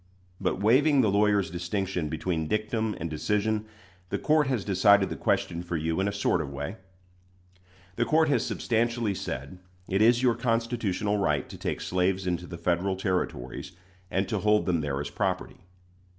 But waiving the lawyer's distinction between dictum and decision, the court has decided the question for you in a sort of way. The court has substantially said, it is your constitutional right to take slaves into the Federal Territories, and to hold them there as property.